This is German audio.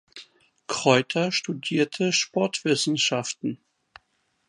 Kreuter studierte Sportwissenschaften.